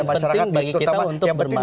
masyarakat dan penting bagi kita untuk bermain